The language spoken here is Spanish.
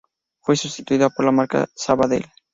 Fue sustituida por la marca Sabadell.